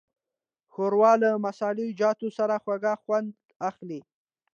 ښوروا له مسالهجاتو سره خوږ خوند اخلي.